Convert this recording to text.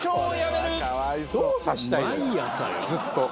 ずっと。